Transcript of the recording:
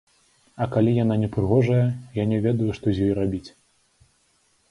А калі яна не прыгожая, я не ведаю, што з ёй рабіць.